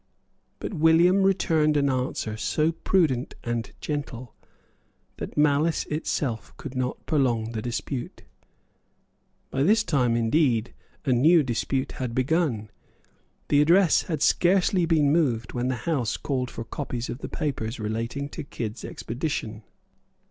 But William returned an answer so prudent and gentle that malice itself could not prolong the dispute. By this time, indeed, a new dispute had begun. The address had scarcely been moved when the House called for copies of the papers relating to Kidd's expedition.